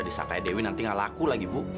disakai dewi nanti gak laku lagi bu